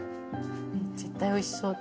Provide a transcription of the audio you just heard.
絶対おいしそう。